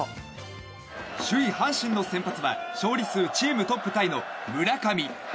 首位、阪神の先発は勝利数チームトップタイの村上。